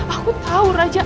aku tahu raja